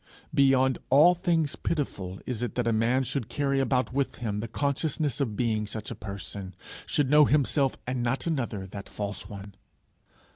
Beyond all things pitiful is it that a man should carry about with him the consciousness of being such a person should know himself and not another that false one!